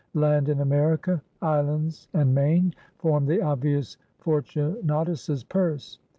Land in America* islands and main, formed the obvious Fortunatus*s purse.